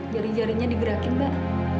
jari jarinya digerakin mbak